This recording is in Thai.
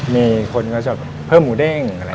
มีคนก็จัดเบื้อหมูเด้ง